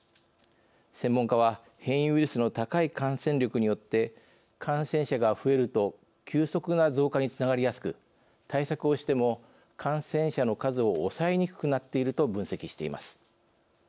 専門家は、変異ウイルスの高い感染力によって「感染者が増えると急速な増加につながりやすく対策をしても感染者の数を抑えにくくなっている」と分析しています。